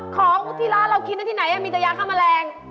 ของที่ร้านเรากินนะตอนหน้ามีแต่ญ้าข้ามแมลง